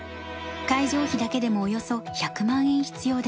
会場費だけでもおよそ１００万円必要です。